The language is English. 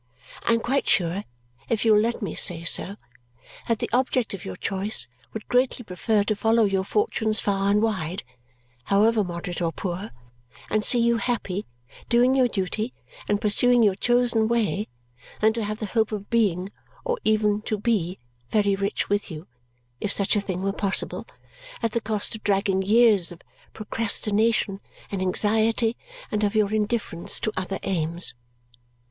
I am quite sure, if you will let me say so, that the object of your choice would greatly prefer to follow your fortunes far and wide, however moderate or poor, and see you happy, doing your duty and pursuing your chosen way, than to have the hope of being, or even to be, very rich with you (if such a thing were possible) at the cost of dragging years of procrastination and anxiety and of your indifference to other aims.